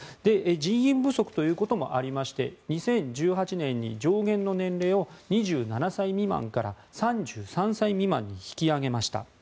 人員不足ということもありまして２０１８年に上限の年齢を２７歳未満から３３歳未満に引き上げました。